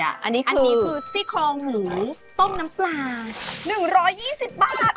อันนี้คือซี่โครงหมูต้มน้ำปลา๑๒๐บาท